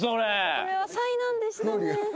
これは災難でしたね。